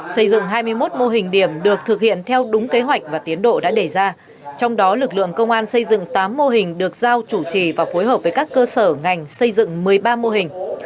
xây dựng hai mươi một mô hình điểm được thực hiện theo đúng kế hoạch và tiến độ đã đề ra trong đó lực lượng công an xây dựng tám mô hình được giao chủ trì và phối hợp với các cơ sở ngành xây dựng một mươi ba mô hình